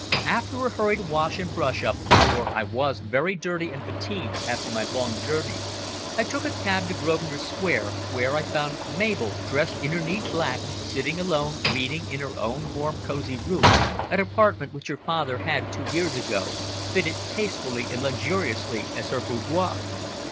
After a hurried wash and brush up, for I was very dirty and fatigued after my long journey, I took a cab to Grosvenor Square, where I found Mabel dressed in her neat black, sitting alone reading in her own warm, cosy room, an apartment which her father had, two years ago, fitted tastefully and luxuriously as her boudoir.